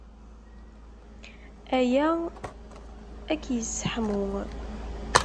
Aya ad k-yesseḥmu.